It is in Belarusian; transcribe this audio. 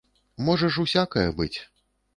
Можа ж усякае быць.